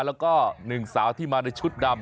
แล้วก็หนึ่งสาวที่มาในชุดดำ